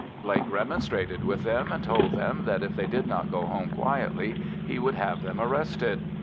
Blake remonstrated with them, and told them that if they did not go home quietly he would have them arrested.